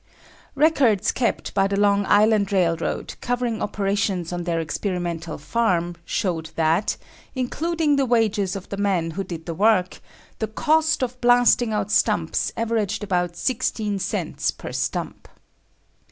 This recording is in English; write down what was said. Records kept by the Long Island Railroad, covering operations on their Experimental Farm, showed that, including the wages of the men who did the work, the cost of blasting out stumps averaged about 16 cents per stump.